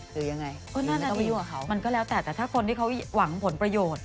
คือยังไงคนอื่นไม่ต้องไปยุ่งกับเขามันก็แล้วแต่แต่ถ้าคนที่เขาหวังผลประโยชน์